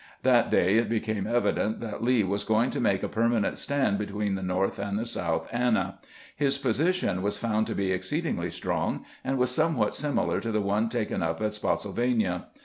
That day it became evident that Lee was going to make a permanent stand between the North and the South Anna. His position was found to be exceedingly strong, and was somewhat similar to the one taken up at Spottsylvania.